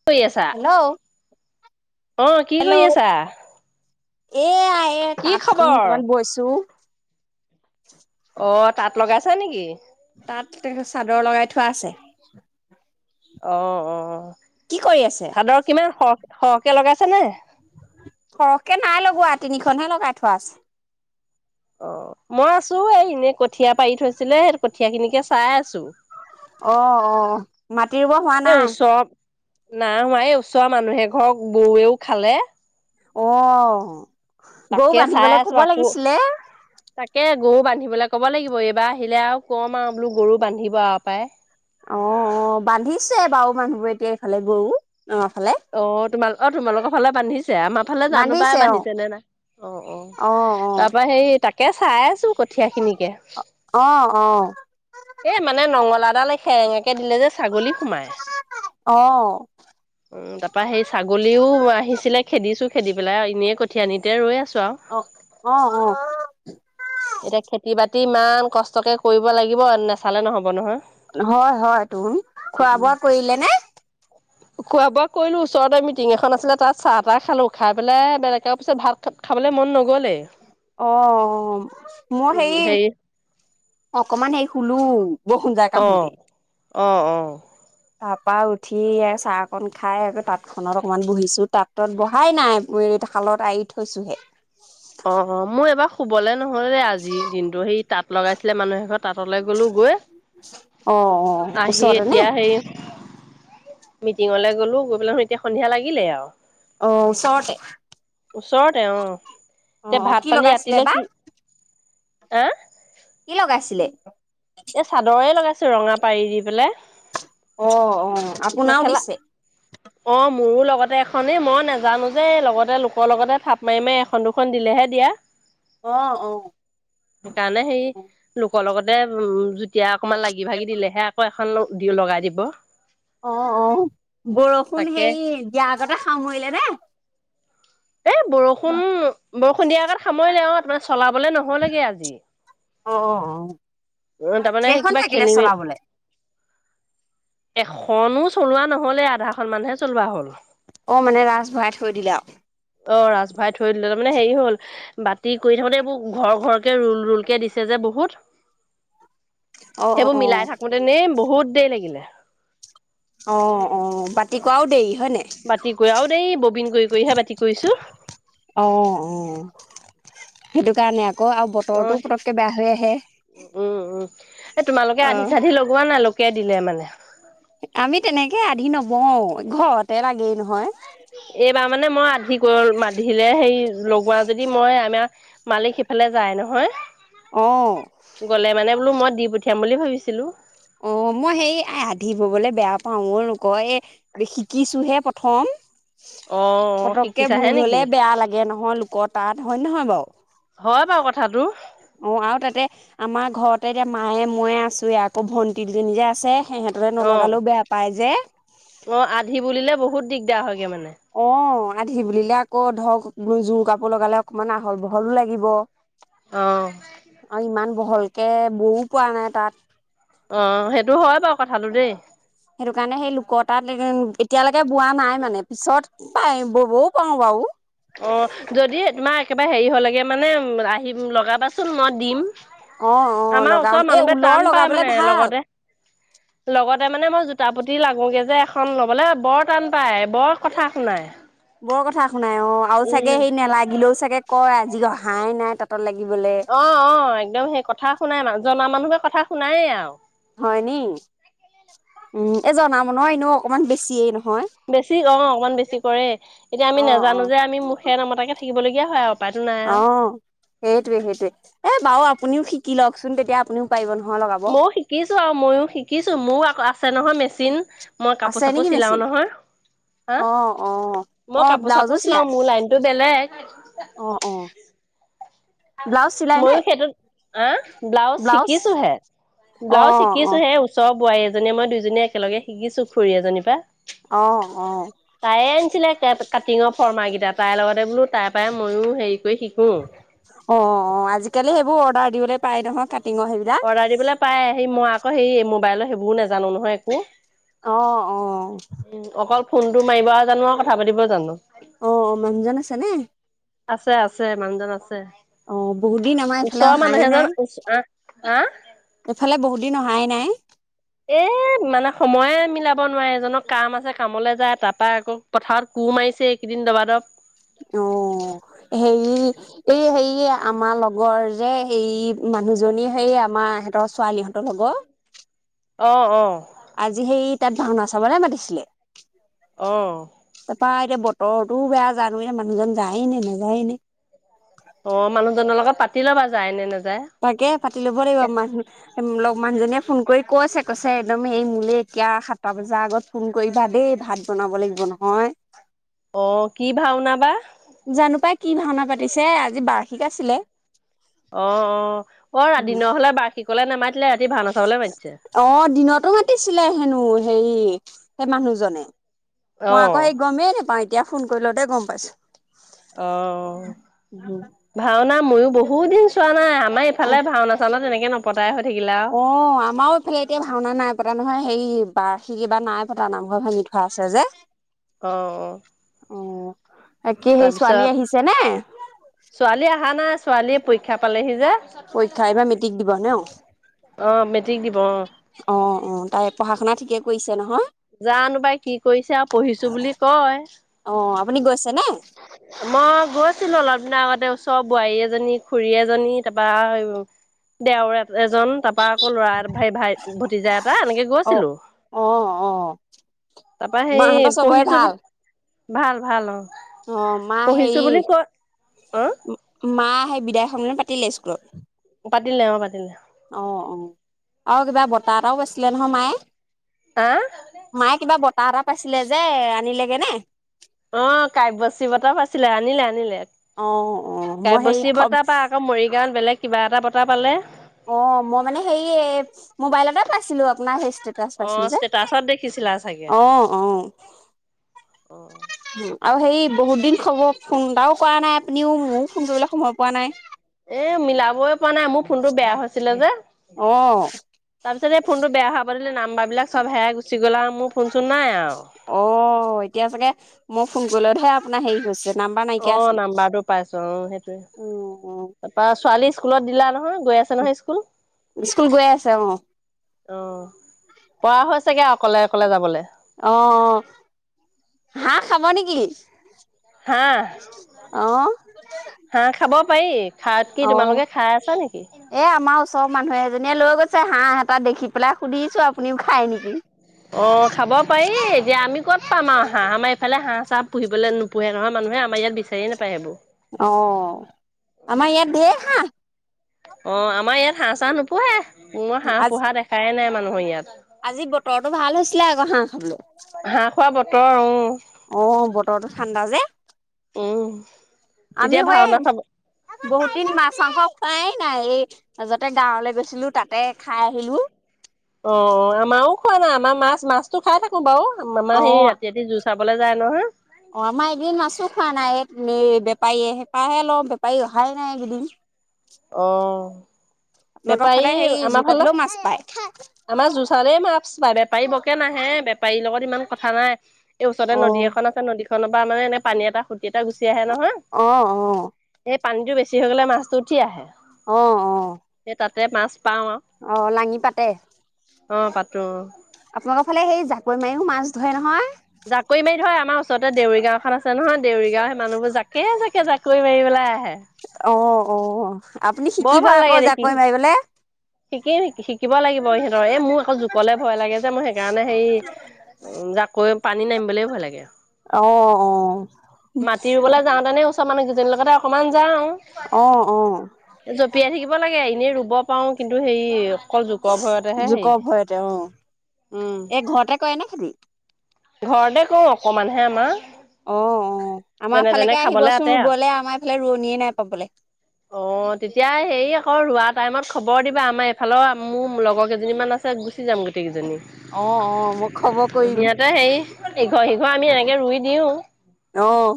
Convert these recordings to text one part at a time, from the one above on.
কি কৰি আছা? হেল্ল'? অ' কি হেল্ল'? কৰি আছা? এইয়া, এইয়া কি তাঁতখন খবৰ? অকমান বৈছো। অ'! তাঁত লগাইছা নেকি? তাঁত, চাদৰ লগাই থোৱা আছে। অ' অ'! কি কৰি আছে চাদৰ কিমান, সৰহ- সৰহকে লগাইছানে? সৰহকে নাই লগোৱা, তিনিখনহে লগাই থোৱা আছে। অ'! মই আছোঁ। এই, এনেই কঠীয়া পাৰি থৈছিলে, কঠীয়াখিনিকে চাই আছোঁ। অ' অ'! মাটি ৰোব হোৱা নাই? [unintelligible] ওচৰ মানুহ এঘৰ গৰুৱেও খালে। অ'! গৰু তাকে চাই বান্ধিবলে আছো ক'ব আকৌ লাগিছিলে? তাকে, গৰু বান্ধিবলে ক'ব লাগিব। এইবাৰ আহিলে আৰু কম আৰু বোলোঁ, গৰু বান্ধিব আৰু পায়। অ' অ'! বান্ধিছে বাৰু মানুহবোৰে, এতিয়া এইফালে গৰু। আমাৰ ফালে। অ'! তোমা, অ'! তোমালোকৰ ফালে বান্ধিছে? আমাৰ ফালে, জানোঁ পাই! বান্ধিছে নে নাই। অ' অ'! তাৰপৰা সেই, তাকে চাই আছোঁ, কঠীয়া খিনিকে। অ'! অ'! এ, মানে নঙলাডাল সেৰেঙাকে দিলে যে, ছাগলী সোমাই। অ'! উম, তাৰপৰা সেই, ছাগলীও আহিছিলে, খেদিছোঁ, খেদি পেলাই আৰু এনেই, কঠীয়ানিতে ৰৈ আছোঁ আৰু। অ'! অ'! অ'! এতিয়া, খেতি-বাতি ইমান কষ্টকে কৰিব লাগিব! নেচালে, নহ'ব নহয়। হয়, হয়, তো! খোৱা-বোৱা কৰিলেনে? [inaudible] খোৱা-বোৱা কৰিলোঁ। ওচৰতে মিটিং এখন আছিলে, তাত চাহ-তাহ খালোঁ। খাই পেলাই, বেলেগে পিছত, ভাত [unintelligible] খাবলৈ মন নগ'লে। অ'! মই সেই, হেৰি অকমান সেই, শুলোঁ। অ'! অ'! অ'! তাৰপৰা উঠি, চাহকন খাই, আকৌ তাঁত খনত অকমান বহিছোঁ। তাঁতত বহাই নাই। [unintelligible] শালত আৰি থৈছোঁহে। অ' অ'! মোৰ এবাৰ শুৱলে নহ'লে আজি, দিনটো। সেই, তাঁত লগাইছিলে মানুহ এঘৰত, তাঁতলৈ গ'লোগৈ। অ অ আহি ওচৰতে নে এতিয়া, সেই মিটিঙলে গ'লো। গৈ পেলাই এতিয়া, সন্ধিয়া লাগিলেই আৰু। অ'! ওচৰতে। ওচৰতে অ'! অ এতিয়া, অ কি ভাত-পানী লগাইছিলে ৰাতিলে বা কি? হা! কি লগাইছিলে? এ, চাদৰে লগাইছোঁ, ৰঙা পাৰী দি পেলাই। অ' অ'! আপোনাও দিছে? [inaudible] অ'! মোৰো লগতে এখনে, মই নেজানোঁ যে, লগতে লোকৰ লগতে, থাপ মাৰি-মাৰি, এখন-দুখন দিলেহে দিয়া। [inaudible] অ' অ'! সেইকাৰণে সেই লোকৰ লগতে উম যুতিয়া অকমান লাগি লাগি ভাগি দিলেহে আকৌ এখন দি লগাই দিব। অ অ বৰষুণ তাকে হেৰি দিয়াৰ আগতে সামৰিলে নে? এ বৰ ষুণ বৰষুণ দিয়াৰ আগত সামৰিলে অ, তাৰমানে চলাবলে নহলগে আজি। অ অ অ উ তাৰমানে সেই কেইখন কিবা থাকিলে খেলিমেই চলাবলে এখনো চলোৱা নহলে আধাখন মানহে চলোৱা হ'ল। অঁ মানে ৰাঁচ ভৰাই থৈ দিলে আওঁ। অ ৰাচ ভাই থৈ দিলে তাৰমানে হেৰি হ'ল বাতি কৰি থাকোতে এইবোৰ ঘৰৰ ঘৰ কে ৰুল ৰুল কে দিছে যে বহুত, অ সেইবোৰ অ মিলাই থাকোতে নেই বহুত দেৰি লাগিলে। অ অ বাতি কৰাও দেৰি হয়নে? বাতি কোৰাও দেই ববিন কৰি কৰিহে বাতি কৰিছো। অঁ অঁ সেইটো কাৰণে আকৌ আৰু বতৰটো পটকে বেয়া হৈ আহে। উ উম উম, এ তোমালোকে অ আধি চাধি লগোৱা নাই লোকে দিলে মানে। আমি তেনেকে আধি নবও ঘৰতে লাগেই নহয়। এইবাৰ মানে মই আধি কৰ মাধিলে সেই লগোৱা যদি মই আমাৰ মালিক সিফালে যায় নহয়। অ। গ'লে মানে বোলো মই দি পঠিয়াম বুলি ভাবিছিলো। অ মই সেই আধি ববলৈ বেয়া পাও, মই লোকৰ এই শিকিছোহে প থম। অ অ পতককে শিকিছাহে ভুল নেকি হলে বেয়া লাগে নহয় লোকৰ তাত, হয়ে নহয় বাওঁ? হয় বাওঁ কথাটো। অ আৰু তাতে আমাৰ ঘৰতে এতিয়া মায়ে ময়ে আছোৱে আকৌ ভণ্টিজনী যে আছে। সিহঁতলে অ নলগালেও বেয়া পায় যে। অ আধি বুলিলে বহুত দিগদাৰ হয়গে মানে। অ আধি বুলিলে আকৌ ধৰক জোৰ কাপোৰ লগালে অকমান আহল বহলো লাগিব। অহ। আৰু ইমান বহলকে বৈও পোৱা নাই তাঁত। অ সেইটো হয় বাৰু কথাটো দেই। সেইটো কাৰণে সেই লোকৰ তাঁত এদিন, এতিয়ালৈকে বোৱা নাই মানে পিছত পাই ববও পাওঁ বাওঁ। অ যদি তোমাৰ একেবাৰে হেৰি হ'লেগে মানে আহিম লগাবাচোন মই দিম। অ অ আমাৰ লগাম ওচৰৰ এই মানুহবোৰে ঊলৰ টান পায় লগাবলে মানে ভাল লগতে লগতে মানে মই জোতা পুতি লাগোগে যে এখন লবলে বৰ টান পাই, বৰ কথা শুনাই। বৰ কথা শুনাই অ আৰু উম চাগে হেৰি নেলাগিলেও চাগে কয় আজি অহাই নাই তা‍ঁতত লাগিবলৈ। অ অ একদম সেই কথা শুনাই মান জনা মানুহে কথা শুনায়েই আওঁ। হয় নি, উম এ জনা মানুহৰ এনেও অকমান বেছিয়ে নহয়। বেছি অ অকণমান বেছি কৰে, এতিয়া আমি অ অ নেজানো যে আমি মুখেৰে নামাতাকে থাকিবলগীয়া হয় আও। অ সেইটোৱে সেইটোৱে, এ বাৰু আপুনিও শিকি লওকচোন তেতিয়া আপুনিও পাৰিব নহয় লগাব। ময়ো শিকিছো আৰু ময়ো শিকিছো মোৰ আকৌ আ আছে নহয় মেচিন, মই কাপোৰ আছে চাপোৰ নেকি চিলাও মেচিন নহয়, হা অ অ মই অ কাপোৰ ব্লাউজো চাপোৰ চিলাও চিলাই মোৰ লাইনতটো বেলেগ। অ অ ব্লাউজ চিলাই নে মইয়ো সেইটোত অ', ব্লাউজ শিকিছোহে, ব্লাউজ অ', অ', শিকিছোহে। ওচৰৰ বোৱাৰী এজনীয়ে মই দুইজনীয়ে একেলগে শিকিছোঁ, খুৰী এজনীৰ পৰা। অ', অ', তাইয়ে আনিছিলে কেপচ্ কাটিঙৰ ফৰ্মা কেইটা, তাইৰ লগতে বোলো তাই পৰাই মইয়ো হেৰি কৰি শিকোঁ। অ', অ', আজিকালি সেইবোৰ অৰ্ডাৰ দিবলৈ পাই নহয়। কাটিঙৰ সেই অৰ্ডাৰ দিবলৈ পাই, হেৰি মই আকৌ সেই মোবাইলৰ সেইবোৰ নাজানোঁ নহয় একো। অ', অ'। উম্, অকল ফোনটো মাৰিব জানোঁ আৰু কথা পাতিব জানোঁ। অ', মানুহজন আছেনে? আছে আছে, মানুহজন আছে। অ', বহুত দিন আমাৰ এইফালে ওচৰৰ অহাই মানুহে নাই এজন ও, আ, হা এইফালে বহুত দিন অহাই নাই। এ মানে সময়ে মিলাব নোৱাৰে, এজনৰ কাম আছে, কামলৈ যায় তাৰাপা আকৌ। পথাৰত কোৰ মাৰিছে, এইকেইদিন দবাদৱ। অ', হেৰি এই হেৰি, আমাৰ লগৰ যে, সেই মানুহজনী সেই আমাৰ সিহঁতৰ ছোৱালী হঁতৰ লগৰ। অ', অ'। আজি সেই তাত ভাওনা চাবলৈ মাতিছিলে। অ'। তাৰপৰা এতিয়া বতৰতোও বেয়া, জানোঁ এতিয়া মানুহজন যায়ে নে নাযায় নে! অ', মানুহজনৰ লগত পাতি ল'বা যায় নে নাযায়? তাকে পাতি ল'ব লাগিব, মানুহ লগ মানুহজনীয়ে ফোন কৰি কৈছে, কৈছে একদম এই মোলে এতিয়া সাতটা বজাৰ আগত ফোন কৰিবা দেই, ভাত বনাব লাগিব নহয়। অ', কি ভাওনা বা! জানোঁ পাই, কি ভাওনা পাতিছে। আজি বাৰ্ষিক আছিলে। অ'অ'অ', দিনৰ হ'লে বাৰ্ষিকলে নামাতিলে, ৰাতি ভাওনা চাবলে মাতিছে। অ', দিনতো মাতিছিলে হেনো হেৰি সেই মানুহজনে। অ মই আকৌ সেই গমেই নাপাওঁ, এতিয়া ফোন কৰিলতহে গম পাইছোঁ। অ'অ', ভাওনা ময়ো বহুত দিন চোৱা নাই। আ আমাৰ অ এইফালে ভাওনা চাওনা তেনেকে নপতাই হৈ থাকিল আৰু। অ', আমাৰো এইফালে এতিয়া ভাওনা নাই পতা নহয়, হেৰি বাৰ্ষিক এইবাৰ নাই পতা নহয়। নামঘৰ ভাঙি থোৱা আছে যে। অ', অ'। অ', বাকি হেৰি তাৰপিছত ছোৱালী আহিছেনে? ছোৱালী অহা নাই, ছোৱালীৰ পৰীক্ষা পালেহি যে! পৰীক্ষা, এইবাৰ মেট্ৰিক দিব ন? অ', মেট্ৰিক দিব অ'। অ', অ', তাই পঢ়া-শুনা ঠিকে কৰিছে নহয়। জানোঁ পাই, কি কৰিছে আৰু পঢ়িছোঁ বুলি কয়। অ', আপুনি গৈছেনে? হয়। মই গৈছিলোঁ অলপ দিনৰ আগতে, ওচৰৰ বোৱাৰী এজনী, খুৰী এজনী তাৰপা দেওৰ এজন, তাৰপা আকৌ ল'ৰা, ভাই ভাই ভতিজা এটা এনেকে অ গৈছিলোঁ, অ অ তাৰপা হেৰি মাহঁতৰ চবৰে পঢ়িছোঁ বুলি ভাল ভাল অঁ। অঁ মা হেই, অ', ও মা সেই বিদায় সন্মিলনী পাতিলে স্কুলত পাতিলে অঁ পাতিলে। অঁ অঁ, আও কিবা বঁটা এটাও পাইছিলে নহয় মায়ে। হাঁ? মায়ে কিবা বঁটা এটা পাইছিলে যে আনিলেগে নে? অঁ কাব্যশ্ৰী বটা পাইছিলে, আনিলে আনিলে। অ অ মই হেৰি কাব্যশ্ৰী খ বঁটা পা আকৌ মৰিগাঁত বেলেগ কিবা এটা বঁটা পালে। অঁ, মই মানে হে এ মোবাইলতে পাইছিলো আপোনাৰ সেই ষ্টে ষ্টেটাচ পাইছিলো অ', যে ষ্টেটাচত দেখিছিলা চাগে অঁ অঁ। অ' [unintelligible] আৰু হেৰি, বহুত দিন খব ফোন এটাও কৰা নাই আপুনিও, ময়ো ফোন কৰিবলৈ সময় পোৱা নাই। এ মিলাবই পৱা নাই, মোৰ ফোনটো বেয়া হৈছিলে যে। অঁ। তাৰপিছত এই, ফোনটো বেয়া হোৱা পা ৱে নাম্বাৰ বিলাক চ'ব হেৰাই গুচি গ'ল আও, মোৰ ফোনচোন নাই আও। অ', এতিয়া চাগে মই ফোন কৰিলতহে আপোনাৰ হেৰি হৈছে। নাম্বাৰ নাইকিয়া অঁ আছিলে নাম্বাৰটো পাইছো অঁ, উম উম সেইটোয়ে, তাৰা ছোৱালী স্কুলত দিলা নহয়, গৈ আছ স্কুল গৈ আছে, অঁ। অঁ, পৱা হৈছেগে আও অকলে অকলে যাবলে? অঁ, অঁ, হাঁহ খাব নেকি? হাঁহ অঁ। হাঁহ খাব পায়ি, খাৱত কি তোমালোকে খাই আছা নেকি? এই, আমাৰ ওচৰৰ মানুহ এজনীয়ে লৈ গৈছে হাঁহ এটা দেখি পেলাই সুধিছো, আপুনিও খাই নেকি? অঁ, খাব পায়ি, এতিয়া আমি ক'ত পাম আও হাঁহ? আমাৰ ইফালে হাঁহ চাঁহ পুহিবলে নো পোঁহে নহয় মানুহে, আমাৰ ইয়াত বিচাইয়ে নাপায় সেইবোৰ। অঁ, আমাৰ ইয়াত ধেই হাঁহ। অঁ, আমাৰ ইয়াত হাঁহ চাঁহ নোপোঁহে, মই হাঁহ আজি পোঁহা দেখাই নাই মানুহৰ ইয়াত। আজি বতৰটো ভাল হৈছিলে আক' হাঁহ খাবলৈ। হাঁহ খোৱা বতৰ, উ। অঁ, বতৰটো ঠাণ্ডা যে, উম, আমি তেতিয়া অ'ক এই ভাওনা চাব বহুত দিন মাছ-মাংস খোৱাই নাই, এই মাজতে গাঁৱলে গৈছিলো, তাতে খাই আহিলো। অঁ, আমাৰো খোৱা নাই, আমাৰ মাছ, মাছতো খাই থাকো বাও, আমাৰ সেই ৰাতি ৰাতি জুচ চাবলে যায় নহয়। অঁ, আমাৰ এই কেইগিদিন মাছো খোৱা নাই, এ মে বেপাৰীয়ে হে পাহে লওঁ, বেপাৰী অহাই নাই এইকেইদিন। অ', আপোনালোকৰ বেপাৰী ফালে হেৰি আমাৰ ফাল, জোকাতিলেও মাছ পায় আমাৰ জোচাৰে মা ছ পাই, বেপাৰী ব'কে নাহে, বেপাৰীৰ লগত ইমান কথা নাই। এই ওচৰতে অ নদী এখন আ ছে নদীখন পা মানে এনে পানী এটা সু্তি এটা গুচি আহে নহয় অঁ, অঁ। এই, পানীটো বেছি হৈ গ'লে মাছটো উঠি আহে। অঁ অঁ। এ, তাতে মাছ পাওঁ আও। অঁ, লাঙি পাতে? অঁ পাতো ওঁ আপোনালোকৰ ফালে, সেই জাকৈ মাইয়ো মাছ ধৰে নহয়? জাকৈ মাৰি ধৰে, আমাৰ ওচৰতে দেউৰী গাঁও এখন আছে নহয়, দেউৰী গাঁৱৰ সেই মানুহবোৰ জাকে-জাকে জাকৈ মাৰিবলৈ আহে। অঁহ', -অঁহ',। আপুনি শিকিব আকৌ জাকৈ মাৰিবলে। শিকিয়ে, শি- কিব লাগিব ইহঁতৰ, এই মোৰ আকৌ জোকলে ভয় লাগে যে, মই সেইকাৰণে হেৰি জাকৈ পানীত নামিবলৈ ভয় লাগে আৰু। অঁ', -অঁ',। মাতি ৰুবলৈ যাওঁতে এনেই ওচৰ মানুহ কেইজনীৰ লগতে অকণমান যাওঁ। অঁ', -অঁ',। জপিয়াই থাকিব লাগে এনেই ৰুব পাৰোঁ কিন্তু হেৰি- অকল জোকৰ ভয়তে'হে হেৰি, জোকৰ ভয়তে অ উমঁ। এই ঘৰতে কৰে নে খেতি? ঘৰতে কৰো অকণমান'হে আমাৰ। অঁ', -অঁ',। আমাৰ যেনে তেনে ফালেকে খাবলৈ আহিবচোন আতে আৰু ৰুবলৈ আমাৰ এইফালে ৰোৱনীয়ে নাই পাবলৈ। অঁ', তেতিয়া হেৰি আকৌ ৰোৱা টাইমত খবৰ দিবা, আমাৰ এফালৰ মোৰ লগৰ কেইজনীমান আছে। আছে, গুচি যাম গোটেই কেইজনী। অ অ মই খবৰ কৰিম ইয়াতে হেৰি ইঘৰ, সিঘৰ আমি এনেকে ৰুই দিও। অঁ।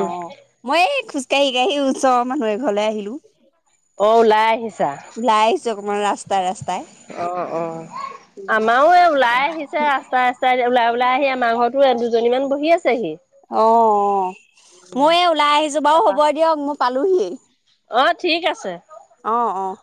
অ মই এই খোজকাঢ়ি‌-কাঢ়ি ওচৰ মানুহ এঘৰলৈ আহিলো। অ' ওলাই আহিছা। ওলাই আহিছো অকণমান ৰাস্তা-ৰাস্তাই। অ', -অ', আমাৰো এই ওলাই আহি- ছে ৰাস্তা-ৰাস্তাই ওলাই-ওলাই আহি আমাৰ ঘৰৰতো এ দুজনীমান বহি আছে সি। অঁ',। মই এই ওলাই আহিছো বাৰু হ'ব দিয়ক মই পালোহি। অঁ', -ঠিক আছে। অঁ', -অঁ',।